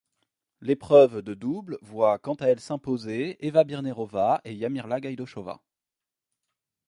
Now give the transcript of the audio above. L'épreuve de double voit quant à elle s'imposer Eva Birnerová et Jarmila Gajdošová.